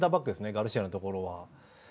ガルシアのところは。